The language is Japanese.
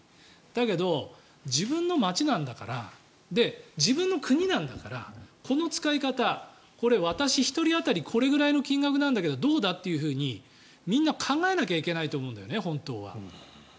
だけど、自分の町なんだから自分の国なんだからこの使い方これ、私１人当たりこれくらいの金額なんだけどどうだっていうふうにみんな考えなきゃいけないと思うんだよね。